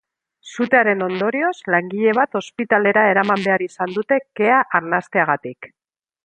Sutearen ondorioz, langile bat ospitalera eraman behar izan dute, kea arnasteagatik.